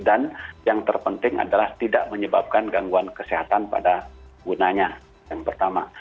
dan yang terpenting adalah tidak menyebabkan gangguan kesehatan pada penggunanya yang pertama